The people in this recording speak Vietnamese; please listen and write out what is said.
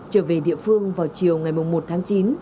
trở về địa phương vào chiều ngày một tháng chín